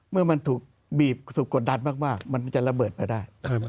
เมื่อมันถูกบีบถูกกดดันมากมันจะระเบิดมาได้